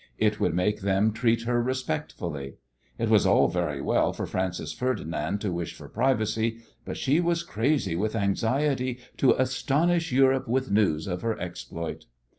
It would make them treat her respectfully. It was all very well for Francis Ferdinand to wish for privacy, but she was crazy with anxiety to astonish Europe with news of her exploit.